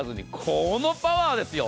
このパワーですよ。